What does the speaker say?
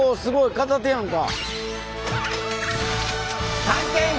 片手やんか。